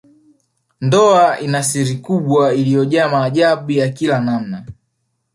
Ndoa ina siri kubwa iliyojaa maajabu ya kila namna